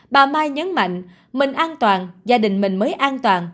bà mai nhấn mạnh mình an toàn gia đình mình mới an toàn